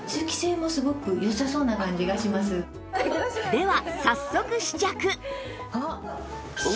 では